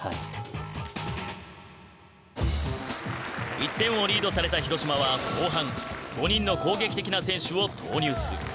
１点をリードされた広島は後半５人の攻撃的な選手を投入する。